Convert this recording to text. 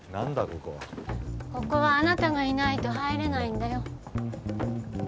ここはここはあなたがいないと入れないんだよ